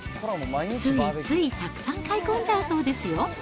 ついついたくさん買い込んじゃうそうですよ。